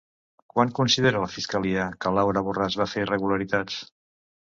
Quan considera la fiscalia que Laura Borràs va fer irregularitats?